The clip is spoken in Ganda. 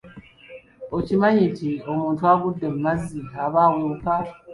Okimanyi nti omuntu agudde mu mazzi aba awewuka?